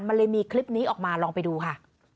มันเลยมีคลิปนี้ออกมาลองไปดูค่ะ